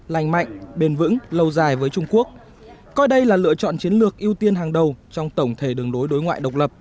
lành mạnh bền vững lâu dài với trung quốc coi đây là lựa chọn chiến lược ưu tiên hàng đầu trong tổng thể đường đối đối ngoại độc lập